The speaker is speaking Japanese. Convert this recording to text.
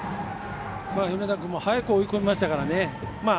米田君も早く追い込みましたからね。